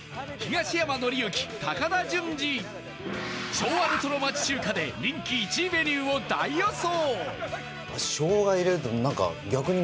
昭和レトロ町中華で人気１位メニューを大予想！